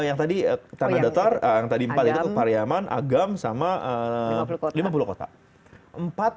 yang tadi tanah datar yang tadi empat itu pariaman agam sama lima puluh kota